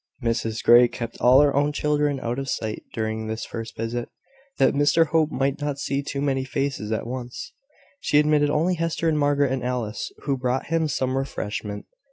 Mrs Grey kept all her own children out of sight during this first visit, that Mr Hope might not see too many faces at once. She admitted only Hester and Margaret, and Alice, who brought him some refreshment.